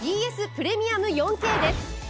プレミアム４Ｋです。